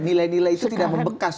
nilai nilai itu tidak membekas